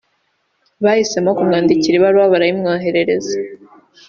Bahisemo kumwandikira ibaruwa barayimwoherereza